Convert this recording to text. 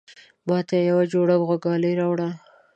ماته يوه جوړه غوږوالۍ راوړه